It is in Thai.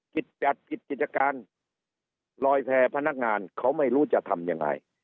จัดกิจกิจการลอยแพร่พนักงานเขาไม่รู้จะทำยังไง